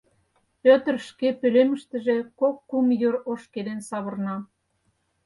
Пӧтыр шке пӧлемыштыже кок-кум йыр ошкеден савырна.